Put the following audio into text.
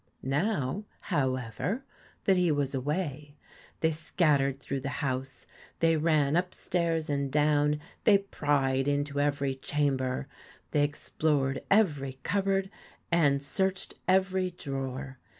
Now, however, that he was away, they scattered through the house, they ran upstairs and down, they pried into every chamber, they explored every cupboard, and searched every drawer.